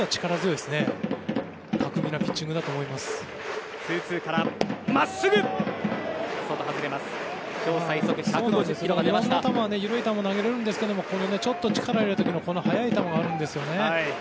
いろんな球緩い球も投げられるんですけどちょっと力を入れた時の速い球があるんですね。